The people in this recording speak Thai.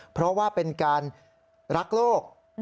เพราะว่าเป็นการรักโลก